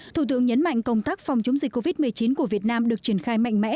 thủ tướng nhấn mạnh công tác phòng chống dịch covid một mươi chín của việt nam được triển khai mạnh mẽ